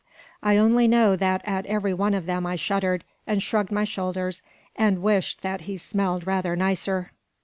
I only know that at every one of them I shuddered, and shrugged my shoulders, and wished that he smelled rather nicer.